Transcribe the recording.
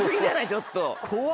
ちょっと。